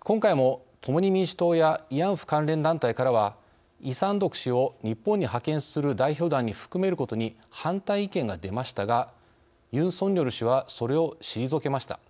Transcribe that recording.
今回も、「共に民主党」や慰安婦関連団体からはイ・サンドク氏を日本に派遣する代表団に含めることに反対意見が出ましたがユン・ソンニョル氏はそれを避けました。